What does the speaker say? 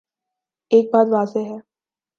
ایک بات واضح ہے۔